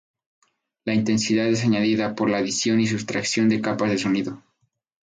La intensidad es añadida por la adición o sustracción de capas de sonido.